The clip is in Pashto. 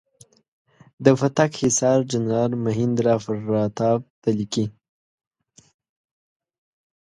د پتک حصار جنرال مهیندراپراتاپ ته لیکلي.